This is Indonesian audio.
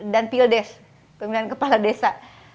dan pildes pemilihan kepala desa